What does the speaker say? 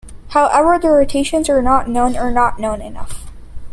However their rotations are not known or not known enough.